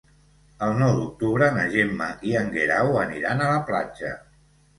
El nou d'octubre na Gemma i en Guerau aniran a la platja.